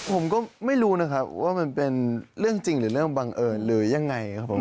ผมก็ไม่รู้นะครับว่ามันเป็นเรื่องจริงหรือเรื่องบังเอิญหรือยังไงครับผม